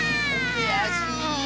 くやしい。